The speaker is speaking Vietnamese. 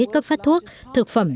cấp phát thuốc thực phẩm